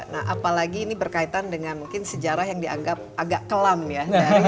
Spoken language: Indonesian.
nah apalagi ini berkaitan dengan mungkin sejarah yang dianggap agak kelam ya